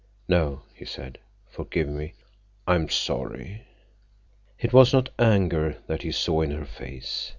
"No," he said. "Forgive me. I am sorry." It was not anger that he saw in her face.